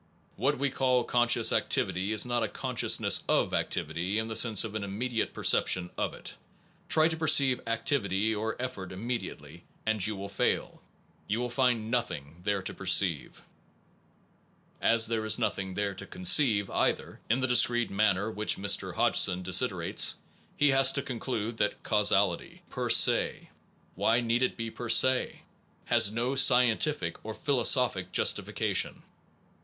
What we call conscious activity is not a consciousness of activity in the sense of an immediate perception of it. Try to perceive activity or effort immediately, and you will fail; you will find nothing there to perceive ( i, 180). As there is nothing there to conceive either, in the discrete manner which Mr. Hodgson desiderates, he has to conclude that Causality per se (why need it be per se ?) has no scientific or philosophic justifica tion.